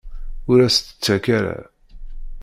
Ur as-t-ttakk ara.